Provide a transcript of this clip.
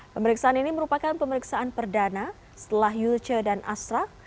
pemeriksaan ini merupakan pemeriksaan perdana setelah yulce dan asrah